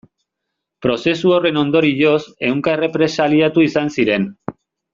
Prozesu horren ondorioz, ehunka errepresaliatu izan ziren.